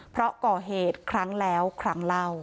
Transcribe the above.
เพราะก่อเหตุครั้งแล้วครั้งเล่า